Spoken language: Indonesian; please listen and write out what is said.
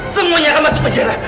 semuanya akan masuk penjara